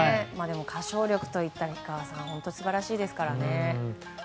歌唱力といったら氷川さんは本当に素晴らしいですからね。